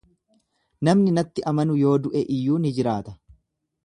Namni natti amanu yoo du'e iyyuu ni jiraata.